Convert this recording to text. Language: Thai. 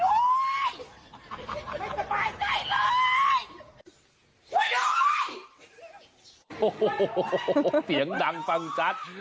โฮเสียงดังฟังจัด